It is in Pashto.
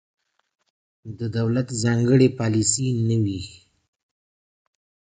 د دولت ځانګړې پالیسي نه وي.